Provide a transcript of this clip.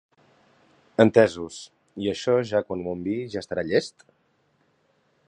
Entesos, i això ja quan ho envii ja estarà llest?